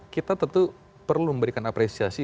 kita tentu perlu memberikan apresiasi